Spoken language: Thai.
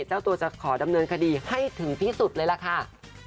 เจ้าตัวจะขอดำเนินคดีให้ถึงที่สุดเลยล่ะค่ะ